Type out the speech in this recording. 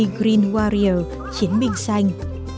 green warrior chiến binh xanh